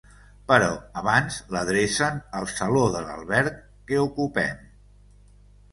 Però abans l'adrecen al saló de l'alberg que ocupem.